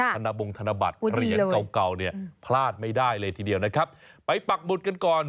ธนบงธนบัตรเหรียญเก่าเก่าเนี่ยพลาดไม่ได้เลยทีเดียวนะครับไปปักบุตรกันก่อน